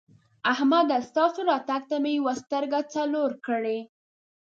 احمده! ستاسو راتګ ته مې یوه سترګه څلور کړې.